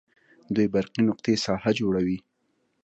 دوې برقي نقطې ساحه جوړوي.